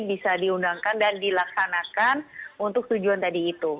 bisa diundangkan dan dilaksanakan untuk tujuan tadi itu